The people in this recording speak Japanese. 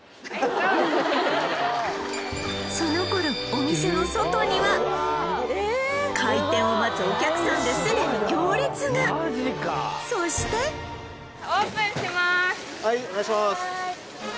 その頃お店の外には開店を待つお客さんですでに行列がそして・はいお願いします